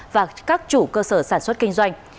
và các chủ cơ sở sản xuất kinh doanh